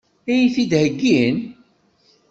Ad iyi-t-id-heggin?